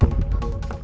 makanya ada di sana